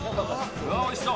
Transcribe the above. うわっ、おいしそう。